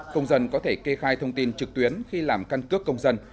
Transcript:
công dân có thể kê khai thông tin trực tuyến khi làm căn cước công dân